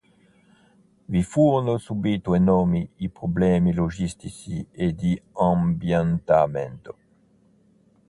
Vi furono subito enormi i problemi logistici e di ambientamento.